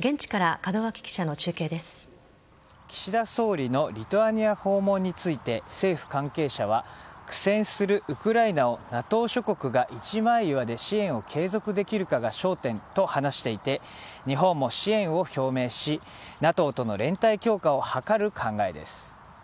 では岸田総理のリトアニア訪問について政府関係者は苦戦するウクライナをＮＡＴＯ諸国が一枚岩で支援を継続できるかが焦点と話していて日本も支援を表明しＮＡＴＯとの連帯強化を図る考えです。